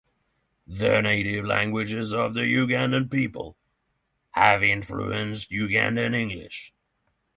The native languages of the Ugandan people have influenced Ugandan English.